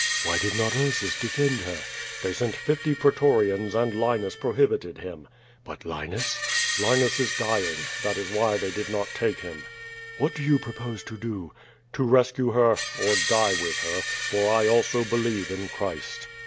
"Why did not Ursus defend her?" "They sent fifty pretorians, and Linus prohibited him." "But Linus?" "Linus is dying. That is why they did not take him." ^TThat do you propose to do?" "To rescue her, or die with her, for I also believe in Christ."